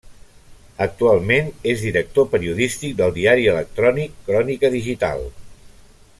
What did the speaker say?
Actualment és director periodístic del diari electrònic Crònica Digital.